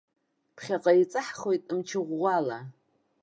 Ԥхьаҟа еиҵаҳхуеит мчы ӷәӷәала.